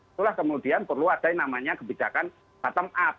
itulah kemudian perlu ada yang namanya kebijakan bottom up